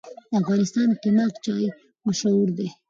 د افغانستان قیماق چای مشهور دی